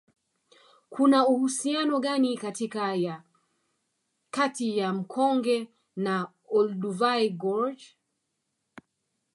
Kuna uhusiano gani kati ya mkonge na Olduvai Gorge